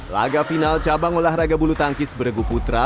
laga final cabang olahraga bulu tangkis beregu putra